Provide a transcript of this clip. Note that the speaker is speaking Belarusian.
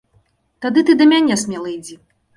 Тады ты да мяне смела ідзі.